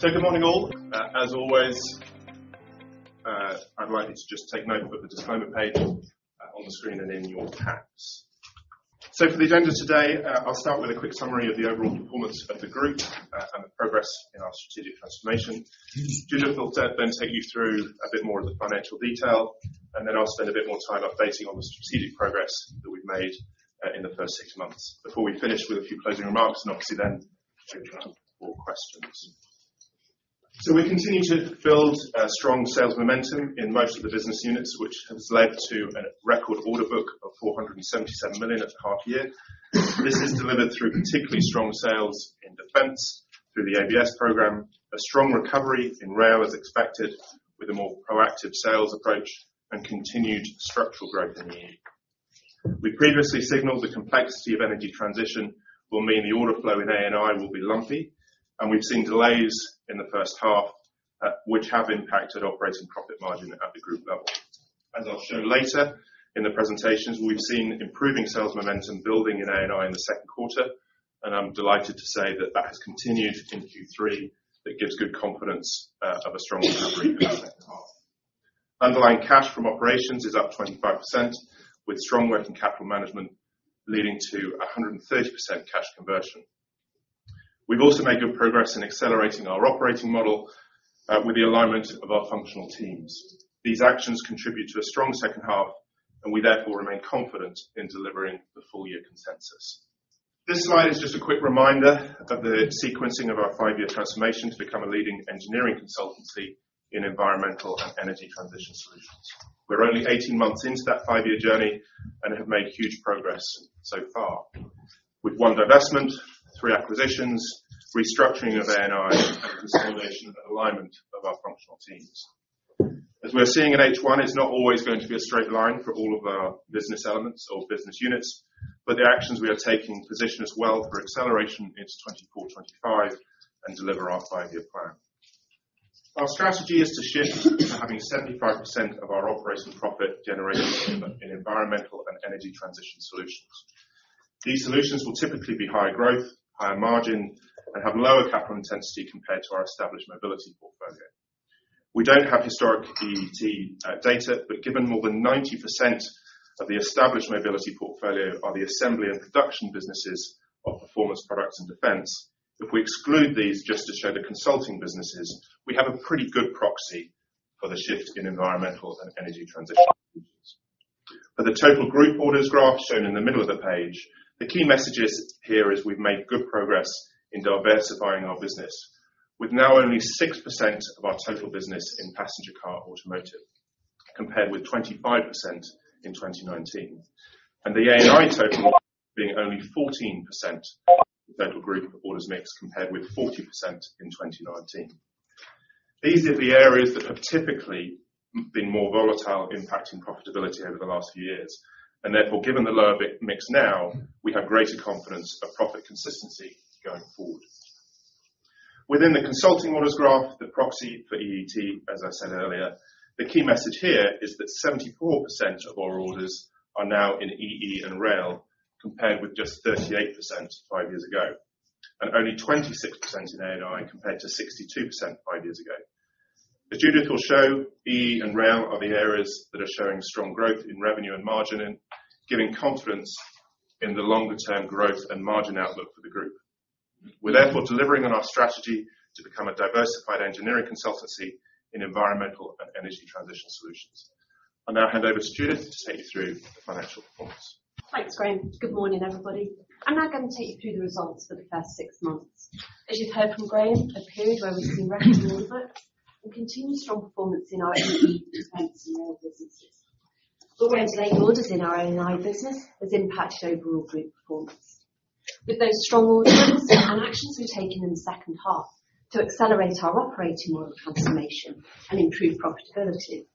So good morning all. As always, I'd like you to just take note of the disclaimer page, on the screen and in your tabs. So for the agenda today, I'll start with a quick summary of the overall performance of the group, and the progress in our strategic transformation. Judith will then take you through a bit more of the financial detail, and then I'll spend a bit more time updating on the strategic progress that we've made, in the first six months. Before we finish with a few closing remarks, and obviously then open up for questions. So we continue to build strong sales momentum in most of the business units, which has led to a record order book of 477 million at the half-year. This is delivered through particularly strong sales in defense, through the ABS program, a strong recovery in rail as expected, with a more proactive sales approach, and continued structural growth in the EU. We previously signalled the complexity of energy transition will mean the order flow in A&I will be lumpy, and we've seen delays in the first half, which have impacted operating profit margin at the group level. As I'll show later in the presentations, we've seen improving sales momentum building in A&I in the second quarter, and I'm delighted to say that that has continued in Q3. That gives good confidence of a strong recovery in the second half. Underlying cash from operations is up 25%, with strong working capital management leading to 130% cash conversion. We've also made good progress in accelerating our operating model, with the alignment of our functional teams. These actions contribute to a strong second half, and we therefore remain confident in delivering the full-year consensus. This slide is just a quick reminder of the sequencing of our five-year transformation to become a leading engineering consultancy in environmental and energy transition solutions. We're only 18 months into that five-year journey and have made huge progress so far, with one divestment, three acquisitions, restructuring of A&I, and consolidation and alignment of our functional teams. As we're seeing in H1, it's not always going to be a straight line for all of our business elements or business units, but the actions we are taking position us well for acceleration into 2024/2025 and deliver our five-year plan. Our strategy is to shift to having 75% of our operating profit generated in environmental and energy transition solutions. These solutions will typically be higher growth, higher margin, and have lower capital intensity compared to our established mobility portfolio. We don't have historic EET data, but given more than 90% of the established mobility portfolio are the assembly and production businesses of Performance Products in defense, if we exclude these just to show the consulting businesses, we have a pretty good proxy for the shift in environmental and energy transition solutions. For the total group orders graph shown in the middle of the page, the key message is here is we've made good progress in diversifying our business, with now only 6% of our total business in passenger car automotive compared with 25% in 2019, and the A&I total being only 14% of the total group orders mix compared with 40% in 2019. These are the areas that have typically been more volatile, impacting profitability over the last few years, and therefore, given the lower mix now, we have greater confidence of profit consistency going forward. Within the consulting orders graph, the proxy for EET, as I said earlier, the key message here is that 74% of our orders are now in EE and Rail compared with just 38% five years ago, and only 26% in A&I compared to 62% five years ago. As Judith will show, EE and Rail are the areas that are showing strong growth in revenue and margin, giving confidence in the longer-term growth and margin outlook for the group. We're therefore delivering on our strategy to become a diversified engineering consultancy in environmental and energy transition solutions. I'll now hand over to Judith to take you through the financial performance. Thanks, Graham. Good morning, everybody. I'm now going to take you through the results for the first six months. As you've heard from Graham, a period where we've seen record order books and continued strong performance in our EE, Defense, and Rail businesses. The way delayed orders in our A&I business has impacted overall group performance. With those strong order books and actions we've taken in the second half to accelerate our operating model transformation and improve profitability,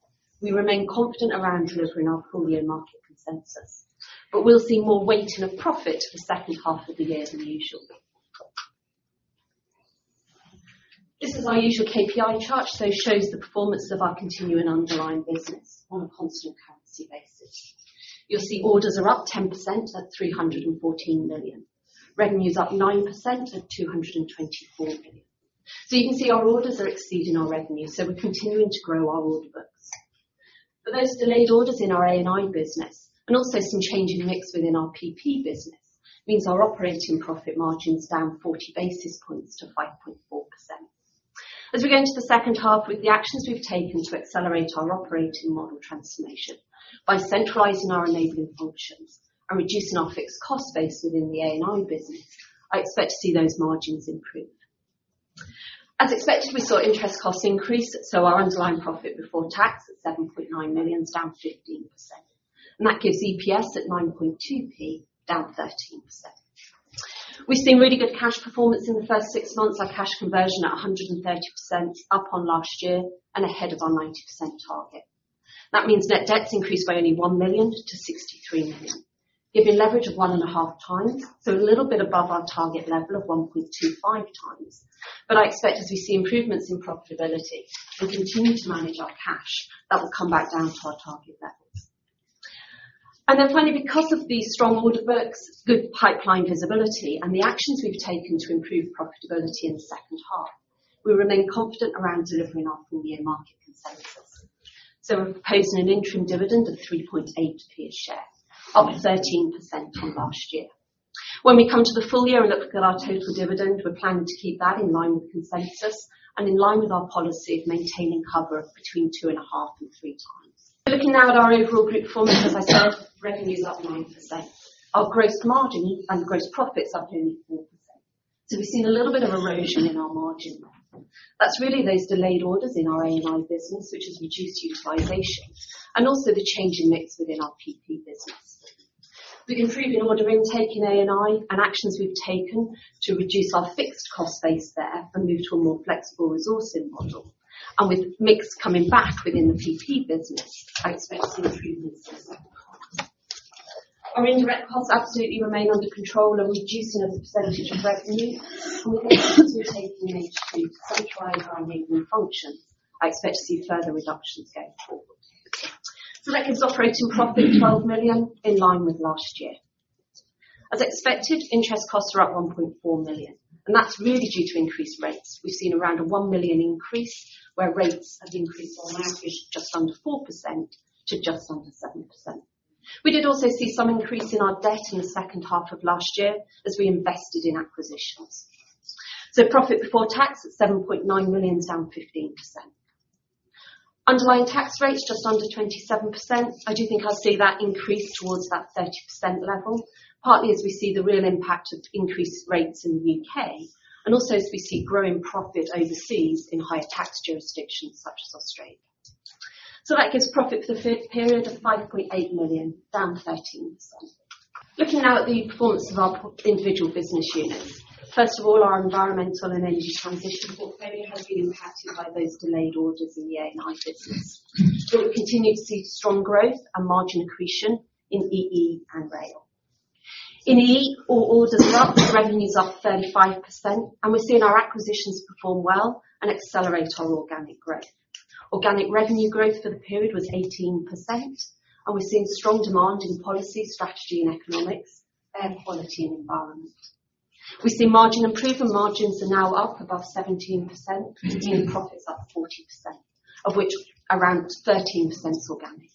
we remain confident around delivering our whole-year market consensus, but we'll see more weighting of profit for the second half of the year than usual. This is our usual KPI chart, so it shows the performance of our continuing underlying business on a constant currency basis. You'll see orders are up 10% at 314 million. Revenue's up 9% at 224 million. So you can see our orders are exceeding our revenue, so we're continuing to grow our order books. For those delayed orders in our A&I business and also some changing mix within our PP business means our operating profit margin's down 40 basis points to 5.4%. As we go into the second half with the actions we've taken to accelerate our operating model transformation by centralizing our enabling functions and reducing our fixed cost base within the A&I business, I expect to see those margins improve. As expected, we saw interest costs increase, so our underlying profit before tax at 7.9 million's down 15%, and that gives EPS at 9.2p down 13%. We've seen really good cash performance in the first six months, our cash conversion at 130% up on last year and ahead of our 90% target. That means net debt increased by only 1 million to 63 million, giving leverage of 1.5x, so a little bit above our target level of 1.25x. But I expect, as we see improvements in profitability and continue to manage our cash, that will come back down to our target levels. And then finally, because of the strong order books, good pipeline visibility, and the actions we've taken to improve profitability in the second half, we remain confident around delivering our full-year market consensus. So we're proposing an interim dividend of 3.8p a share, up 13% on last year. When we come to the full year and look at our total dividend, we're planning to keep that in line with consensus and in line with our policy of maintaining cover between 2.5-3x. Looking now at our overall group performance, as I said, revenue's up 9%. Our gross margin and gross profit's up only 4%, so we've seen a little bit of erosion in our margin there. That's really those delayed orders in our A&I business, which has reduced utilization, and also the changing mix within our PP business. We've improved in order intake in A&I and actions we've taken to reduce our fixed cost base there and move to a more flexible resourcing model. And with mix coming back within the PP business, I expect to see improvements in second half. Our indirect costs absolutely remain under control, a reducing of the percentage of revenue, and with actions we're taking in H2 to centralize our enabling functions, I expect to see further reductions going forward. So that gives operating profit 12 million in line with last year. As expected, interest costs are up 1.4 million, and that's really due to increased rates. We've seen around a 1 million increase where rates have increased on average just under 4%-7%. We did also see some increase in our debt in the second half of last year as we invested in acquisitions. So profit before tax at 7.9 million is down 15%. Underlying tax rates just under 27%. I do think I'll see that increase towards that 30% level, partly as we see the real impact of increased rates in the U.K. and also as we see growing profit overseas in higher tax jurisdictions such as Australia. So that gives profit for the first half period of 5.8 million down 13%. Looking now at the performance of our principal individual business units, first of all, our Environmental and Energy Transition portfolio has been impacted by those delayed orders in the A&I business, but we continue to see strong growth and margin accretion in EE and Rail. In EE, all orders are up. Revenues are up 35%, and we're seeing our acquisitions perform well and accelerate our organic growth. Organic revenue growth for the period was 18%, and we're seeing strong demand in policy, strategy, and economics, air quality, and environment. We see margin improve, and margins are now up above 17%, with profits up 40%, of which around 13%'s organic.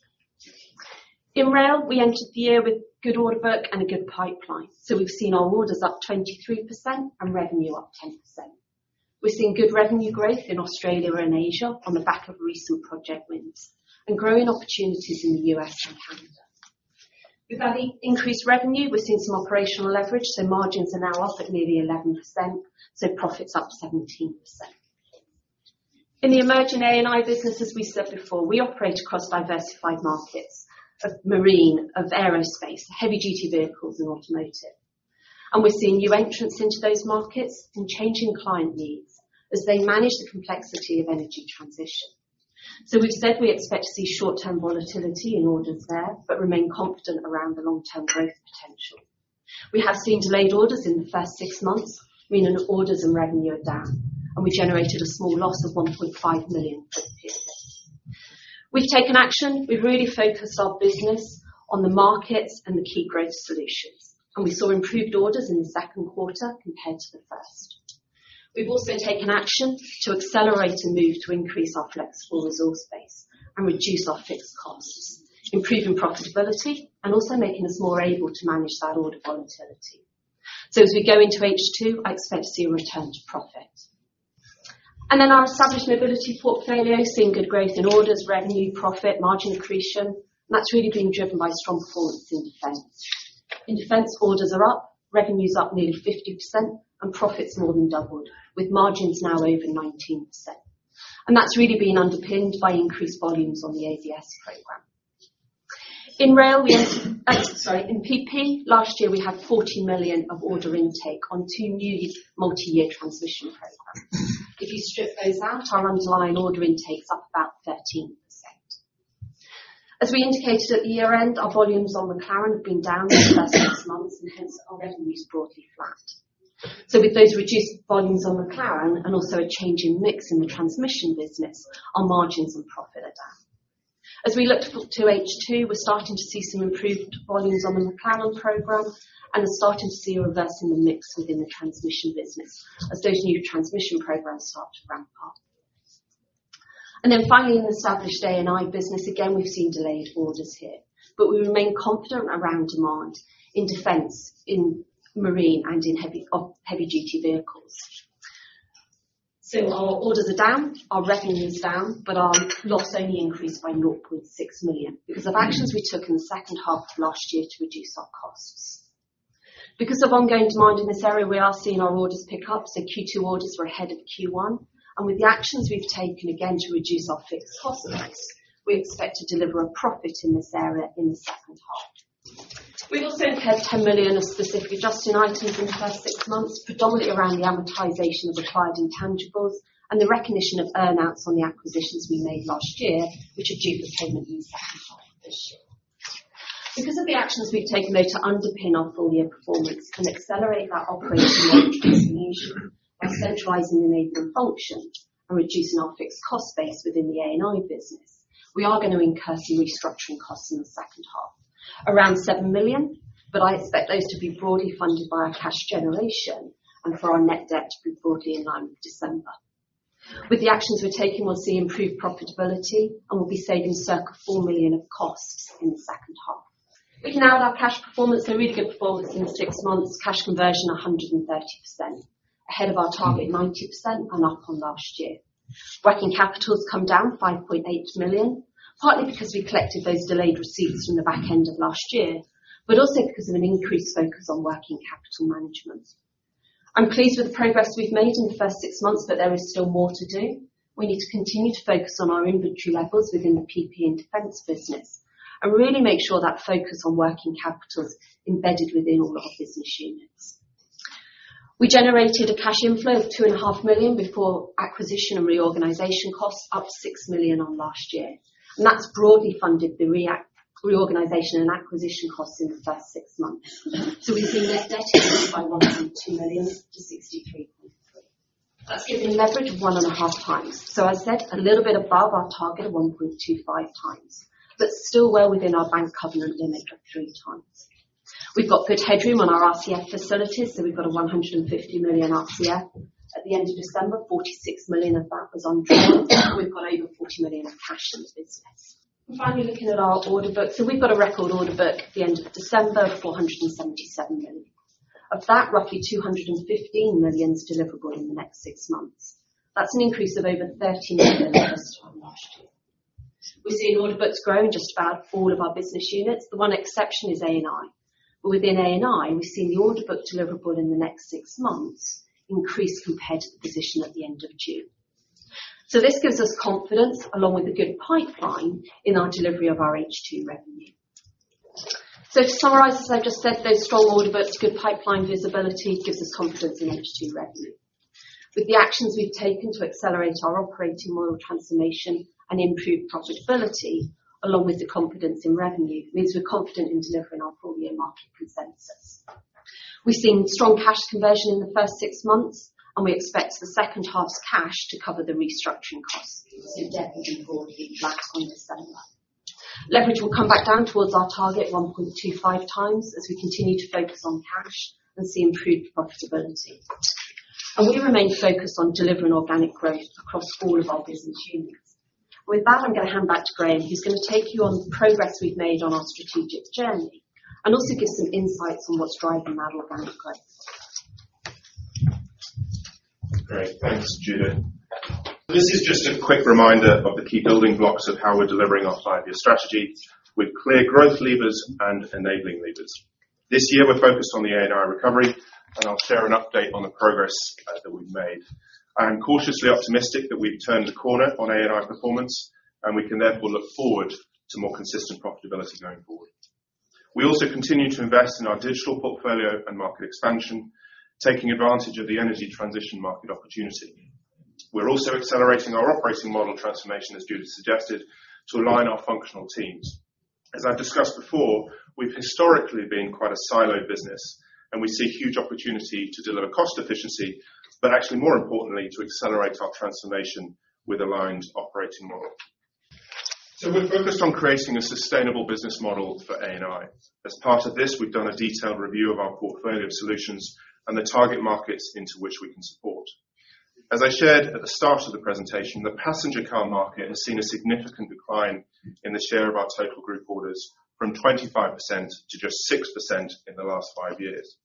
In Rail, we entered the year with good order book and a good pipeline, so we've seen our orders up 23% and revenue up 10%. We've seen good revenue growth in Australia and Asia on the back of recent project wins and growing opportunities in the U.S. and Canada. With that increased revenue, we're seeing some operational leverage, so margins are now up at nearly 11%, so profits up 17%. In the emerging A&I business, as we said before, we operate across diversified markets of marine, of aerospace, heavy-duty vehicles, and automotive, and we're seeing new entrants into those markets and changing client needs as they manage the complexity of energy transition. So we've said we expect to see short-term volatility in orders there but remain confident around the long-term growth potential. We have seen delayed orders in the first six months meaning orders and revenue are down, and we generated a small loss of 1.5 million for the period. We've taken action. We've really focused our business on the markets and the key growth solutions, and we saw improved orders in the second quarter compared to the first. We've also taken action to accelerate a move to increase our flexible resource base and reduce our fixed costs, improving profitability, and also making us more able to manage that order volatility. So as we go into H2, I expect to see a return to profit. And then our established mobility portfolio's seeing good growth in orders, revenue, profit, margin accretion, and that's really being driven by strong performance in defense. In defense, orders are up. Revenues are up nearly 50%, and profits more than doubled, with margins now over 19%. And that's really being underpinned by increased volumes on the ABS program. In PP, last year we had 40 million of order intake on two new multi-year transmission programs. If you strip those out, our underlying order intake's up about 13%. As we indicated at the year-end, our volumes on McLaren have been down in the first six months, and hence our revenue's broadly flat. So with those reduced volumes on McLaren and also a changing mix in the transmission business, our margins and profit are down. As we look forward to H2, we're starting to see some improved volumes on the McLaren program, and we're starting to see a reverse in the mix within the transmission business as those new transmission programs start to ramp up. And then finally, in the established A&I business, again, we've seen delayed orders here, but we remain confident around demand in defense, in marine, and in heavy-duty vehicles. Our orders are down. Our revenue's down, but our loss only increased by 0.6 million because of actions we took in the second half of last year to reduce our costs. Because of ongoing demand in this area, we are seeing our orders pick up, so Q2 orders were ahead of Q1. And with the actions we've taken, again, to reduce our fixed cost base, we expect to deliver a profit in this area in the second half. We've also incurred 10 million of specific adjusting items in the first six months, predominantly around the amortization of acquired intangibles and the recognition of earnouts on the acquisitions we made last year, which are due for payment in the second half of this year. Because of the actions we've taken there to underpin our full-year performance and accelerate that operating model transformation by centralising the enabling function and reducing our fixed cost base within the A&I business, we are going to incur some restructuring costs in the second half, around 7 million, but I expect those to be broadly funded by our cash generation and for our net debt to be broadly in line with December. With the actions we're taking, we'll see improved profitability, and we'll be saving circa 4 million of costs in the second half. Looking now at our cash performance, a really good performance in six months, cash conversion 130%, ahead of our target 90% and up on last year. Working capital's come down 5.8 million, partly because we collected those delayed receipts from the back end of last year but also because of an increased focus on working capital management. I'm pleased with the progress we've made in the first six months, but there is still more to do. We need to continue to focus on our inventory levels within the PP and defense business and really make sure that focus on working capital's embedded within all of our business units. We generated a cash inflow of 2.5 million before acquisition and reorganisation costs, up 6 million on last year, and that's broadly funded the reorganisation and acquisition costs in the first six months. So we've seen net debt increase by 1.2 million to 63.3 million. That's given leverage 1.5x. So as said, a little bit above our target of 1.25x but still well within our bank covenant limit of 3x. We've got good headroom on our RCF facilities, so we've got a 150 million RCF at the end of December, 46 million of that was undrawn, and we've got over 40 million of cash in the business. And finally, looking at our order books, so we've got a record order book at the end of December of 477 million. Of that, roughly 215 million is deliverable in the next six months. That's an increase of over 30 million versus this time last year. We're seeing order books grow in just about all of our business units. The one exception is A&I, but within A&I, we've seen the order book deliverable in the next six months increase compared to the position at the end of June. This gives us confidence along with a good pipeline in our delivery of our H2 revenue. To summarise, as I've just said, those strong order books, good pipeline visibility gives us confidence in H2 revenue. With the actions we've taken to accelerate our operating model transformation and improve profitability along with the confidence in revenue, it means we're confident in delivering our full-year market consensus. We've seen strong cash conversion in the first six months, and we expect the second half's cash to cover the restructuring costs, so debt will be broadly flat on December. Leverage will come back down towards our target 1.25x as we continue to focus on cash and see improved profitability. We remain focused on delivering organic growth across all of our business units. With that, I'm going to hand back to Graham, who's going to take you on the progress we've made on our strategic journey and also give some insights on what's driving that organic growth. Great. Thanks, Judith. This is just a quick reminder of the key building blocks of how we're delivering our five-year strategy with clear growth levers and enabling levers. This year, we're focused on the A&I recovery, and I'll share an update on the progress that we've made. I am cautiously optimistic that we've turned the corner on A&I performance, and we can therefore look forward to more consistent profitability going forward. We also continue to invest in our digital portfolio and market expansion, taking advantage of the energy transition market opportunity. We're also accelerating our operating model transformation, as Judith suggested, to align our functional teams. As I've discussed before, we've historically been quite a siloed business, and we see huge opportunity to deliver cost efficiency but actually, more importantly, to accelerate our transformation with aligned operating model. So we're focused on creating a sustainable business model for A&I. As part of this, we've done a detailed review of our portfolio of solutions and the target markets into which we can support. As I shared at the start of the presentation, the passenger car market has seen a significant decline in the share of our total group orders from 25% to just 6% in the last five years.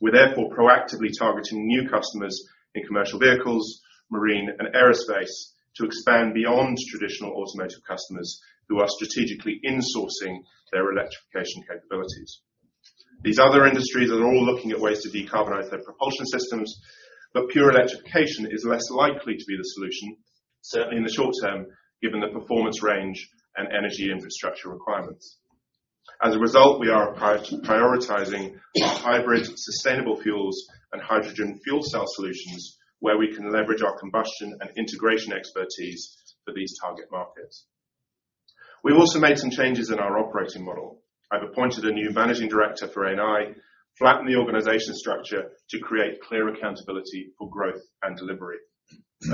We're therefore proactively targeting new customers in commercial vehicles, marine, and aerospace to expand beyond traditional automotive customers who are strategically insourcing their electrification capabilities. These other industries are all looking at ways to decarbonize their propulsion systems, but pure electrification is less likely to be the solution, certainly in the short term given the performance range and energy infrastructure requirements. As a result, we are prioritizing our hybrid sustainable fuels and hydrogen fuel cell solutions where we can leverage our combustion and integration expertise for these target markets. We've also made some changes in our operating model. I've appointed a new managing director for A&I, flattened the organization structure to create clear accountability for growth and delivery.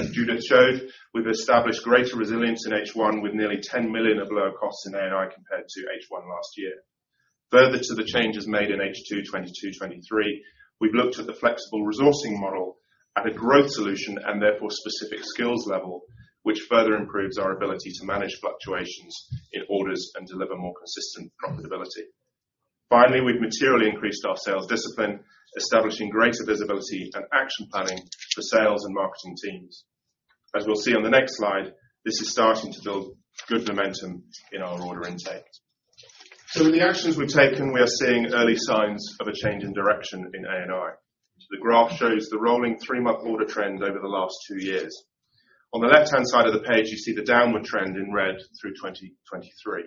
As Judith showed, we've established greater resilience in H1 with nearly 10 million of lower costs in A&I compared to H1 last year. Further to the changes made in H2 2022/2023, we've looked at the flexible resourcing model at a growth solution and therefore specific skills level, which further improves our ability to manage fluctuations in orders and deliver more consistent profitability. Finally, we've materially increased our sales discipline, establishing greater visibility and action planning for sales and marketing teams. As we'll see on the next slide, this is starting to build good momentum in our order intake. So with the actions we've taken, we are seeing early signs of a change in direction in A&I. The graph shows the rolling three-month order trend over the last two years. On the left-hand side of the page, you see the downward trend in red through 2020/2023.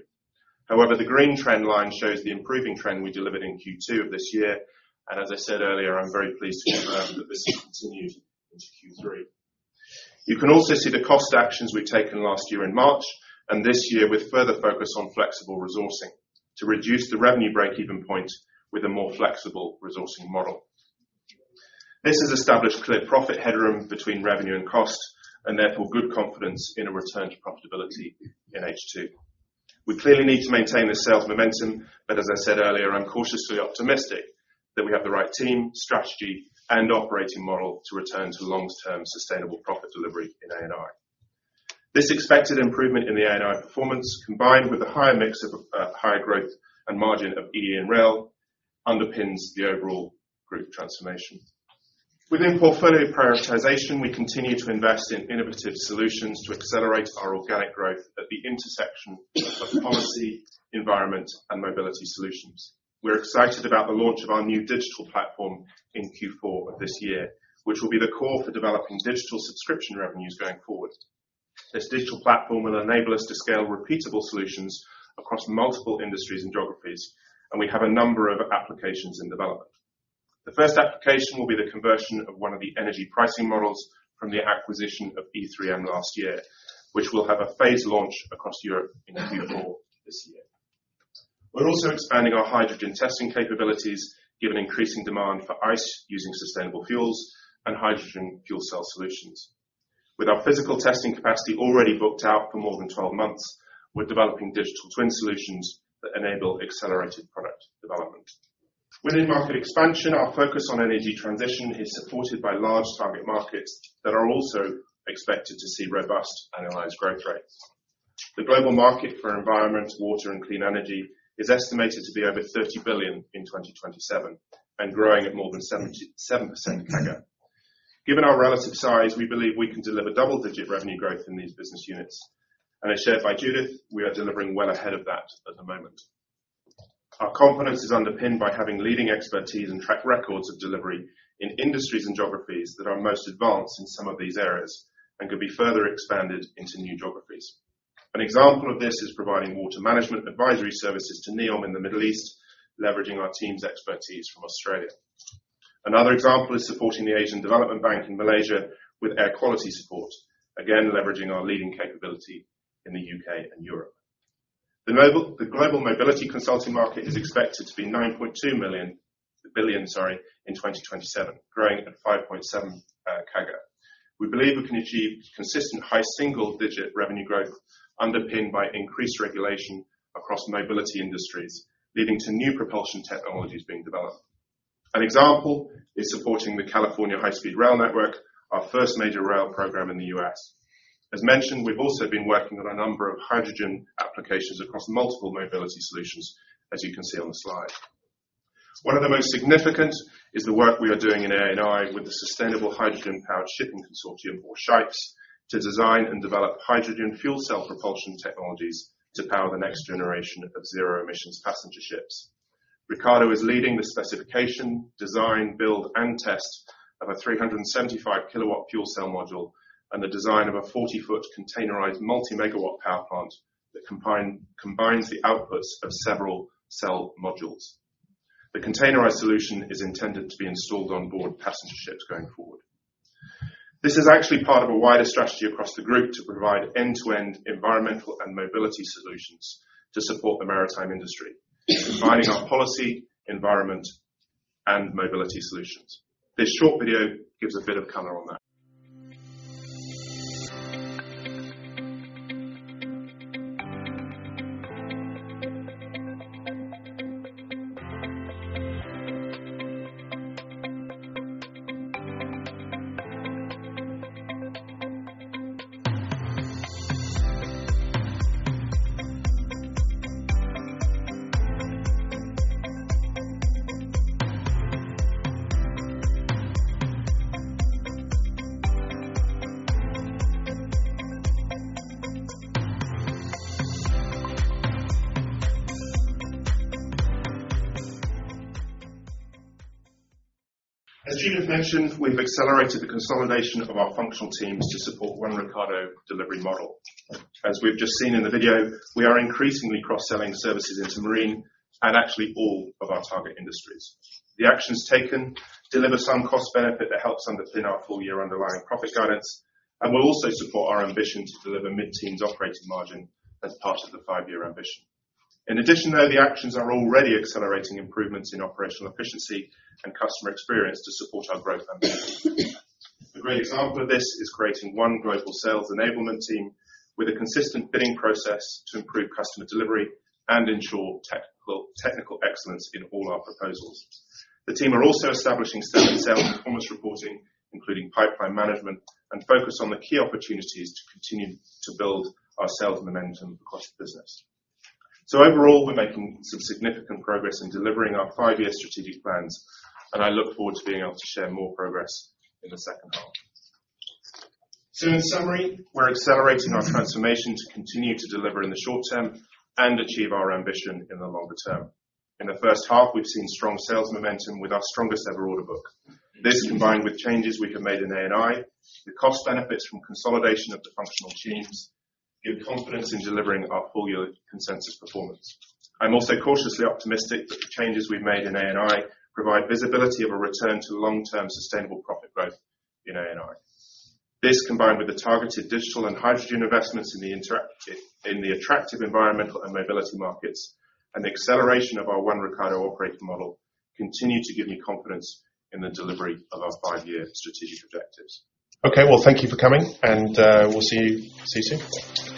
However, the green trend line shows the improving trend we delivered in Q2 of this year. As I said earlier, I'm very pleased to confirm that this continues into Q3. You can also see the cost actions we've taken last year in March and this year with further focus on flexible resourcing to reduce the revenue breakeven point with a more flexible resourcing model. This has established clear profit headroom between revenue and cost and therefore good confidence in a return to profitability in H2. We clearly need to maintain the sales momentum, but as I said earlier, I'm cautiously optimistic that we have the right team, strategy, and operating model to return to long-term sustainable profit delivery in A&I. This expected improvement in the A&I performance, combined with the higher mix of higher growth and margin of EE and Rail, underpins the overall group transformation. Within portfolio prioritisation, we continue to invest in innovative solutions to accelerate our organic growth at the intersection of policy, environment, and mobility solutions. We're excited about the launch of our new digital platform in Q4 of this year, which will be the core for developing digital subscription revenues going forward. This digital platform will enable us to scale repeatable solutions across multiple industries and geographies, and we have a number of applications in development. The first application will be the conversion of one of the energy pricing models from the acquisition of E3M last year, which will have a phased launch across Europe in Q4 this year. We're also expanding our hydrogen testing capabilities given increasing demand for ICE using sustainable fuels and hydrogen fuel cell solutions. With our physical testing capacity already booked out for more than 12 months, we're developing Digital Twin solutions that enable accelerated product development. Within market expansion, our focus on energy transition is supported by large target markets that are also expected to see robust annualized growth rates. The global market for environment, water, and clean energy is estimated to be over 30 billion in 2027 and growing at more than 70% CAGR. Given our relative size, we believe we can deliver double-digit revenue growth in these business units. And as shared by Judith, we are delivering well ahead of that at the moment. Our confidence is underpinned by having leading expertise and track records of delivery in industries and geographies that are most advanced in some of these areas and could be further expanded into new geographies. An example of this is providing water management advisory services to NEOM in the Middle East, leveraging our team's expertise from Australia. Another example is supporting the Asian Development Bank in Malaysia with air quality support, again leveraging our leading capability in the U.K. and Europe. The global mobility consulting market is expected to be 9.2 billion in 2027, growing at 5.7% CAGR. We believe we can achieve consistent high single-digit revenue growth underpinned by increased regulation across mobility industries, leading to new propulsion technologies being developed. An example is supporting the California High-Speed Rail Network, our first major rail program in the U.S. As mentioned, we've also been working on a number of hydrogen applications across multiple mobility solutions, as you can see on the slide. One of the most significant is the work we are doing in A&I with the Sustainable Hydrogen-Powered Shipping Consortium, or sHyPS, to design and develop hydrogen fuel cell propulsion technologies to power the next generation of zero-emissions passenger ships. Ricardo is leading the specification, design, build, and test of a 375 kW fuel cell module and the design of a 40 ft containerized multi-megawatt power plant that combines the outputs of several cell modules. The containerized solution is intended to be installed on board passenger ships going forward. This is actually part of a wider strategy across the group to provide end-to-end environmental and mobility solutions to support the maritime industry, combining our policy, environment, and mobility solutions. This short video gives a bit of color on that. As Judith mentioned, we've accelerated the consolidation of our functional teams to support one Ricardo delivery model. As we've just seen in the video, we are increasingly cross-selling services into marine and actually all of our target industries. The actions taken deliver some cost benefit that helps underpin our full-year underlying profit guidance, and we'll also support our ambition to deliver mid-teens operating margin as part of the five-year ambition. In addition, though, the actions are already accelerating improvements in operational efficiency and customer experience to support our growth ambition. A great example of this is creating one global sales enablement team with a consistent bidding process to improve customer delivery and ensure technical excellence in all our proposals. The team are also establishing standard sales performance reporting, including pipeline management, and focus on the key opportunities to continue to build our sales momentum across the business. So overall, we're making some significant progress in delivering our five-year strategic plans, and I look forward to being able to share more progress in the second half. So in summary, we're accelerating our transformation to continue to deliver in the short term and achieve our ambition in the longer term. In the first half, we've seen strong sales momentum with our strongest-ever order book. This, combined with changes we have made in A&I, the cost benefits from consolidation of the functional teams, give confidence in delivering our full-year consensus performance. I'm also cautiously optimistic that the changes we've made in A&I provide visibility of a return to long-term sustainable profit growth in A&I. This, combined with the targeted digital and hydrogen investments in the attractive environmental and mobility markets and the acceleration of our One Ricardo operating model, continue to give me confidence in the delivery of our five-year strategic objectives. Okay. Well, thank you for coming, and we'll see you soon.